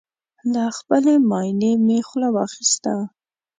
له خپلې ماينې مې خوله واخيسته